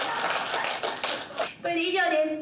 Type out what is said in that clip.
これで以上です。